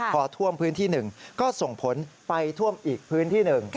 พอท่วมพื้นที่หนึ่งก็ส่งผลไปท่วมอีกพื้นที่หนึ่ง